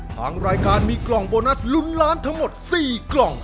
ทางรายการมีกล่องโบนัสลุ้นล้านทั้งหมด๔กล่อง